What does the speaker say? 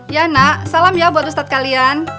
ya nak salam ya buat ustadz kalian